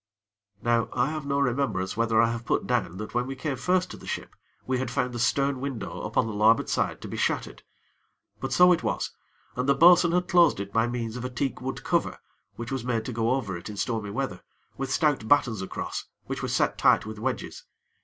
Now, I have no remembrance whether I have put down that when we came first to the ship, we had found the stern window upon the larboard side to be shattered; but so it was, and the bo'sun had closed it by means of a teak wood cover which was made to go over it in stormy weather, with stout battens across, which were set tight with wedges.